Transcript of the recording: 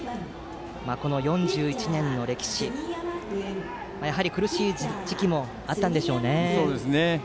この４１年の歴史やはり苦しい時期もあったんでしょうね。